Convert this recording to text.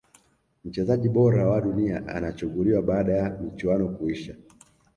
mchezaji bora wa dunia anachuguliwa baada ya michuano kuisha